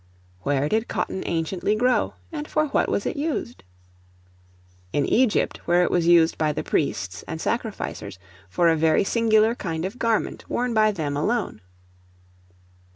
Where did Cotton anciently grow, and for what was it used? In Egypt, where it was used by the priests and sacrificers, for a very singular kind of garment worn by them alone.